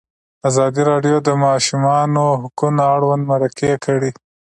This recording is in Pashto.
ازادي راډیو د د ماشومانو حقونه اړوند مرکې کړي.